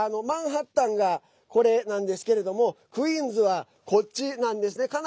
マンハッタンがこれなんですけれどもクイーンズはこっちなんですね。